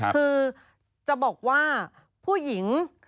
คือจะบอกว่าผู้หญิง